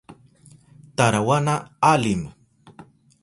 Tarawana alim.